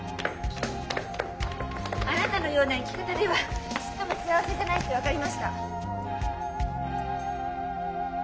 あなたのような生き方ではちっとも幸せじゃないって分かりました。